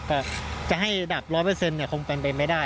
แต่จะให้ดับ๑๐๐คงเป็นไปไม่ได้